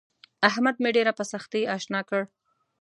احمد مې ډېره په سختي اشنا کړ.